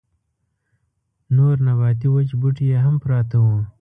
نور نباتي وچ بوټي يې هم پراته وو.